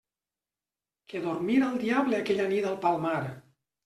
Que dormira el diable aquella nit al Palmar!